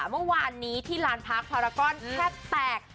เมื่อวานนี้ที่สถานกรัภพรานส์พารากอนแค่แตก